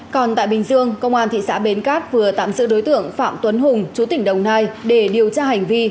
còn tại bình dương công an tp hcm vừa tạm sự đối tượng phạm tuấn hùng chú tỉnh đồng nai để điều tra hành vi